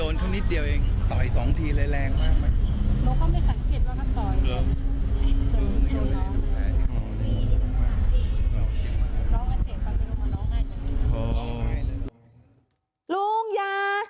ลุงอย่า